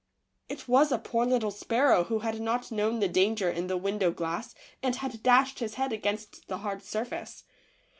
It was a poor little sparrow who had not known the danger in the window glass and had dashed his head against the hard surface.